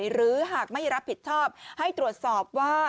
หรือหากไม่รับผิดชอบให้ตรวจสอบว่า